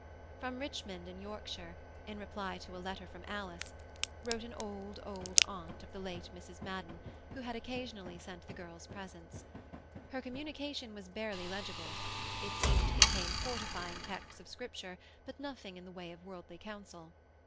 From Richmond in Yorkshire, in reply to a letter from Alice, wrote an old, old aunt of the late Mrs. Madden, who had occasionally sent the girls presents. Her communication was barely legible; it seemed to contain fortifying texts of Scripture, but nothing in the way of worldly counsel.